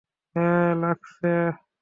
হ্যাঁ, লাগছে।